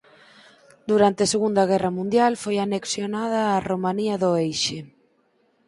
Durante a Segunda Guerra Mundial foi anexionada á Romanía do Eixe.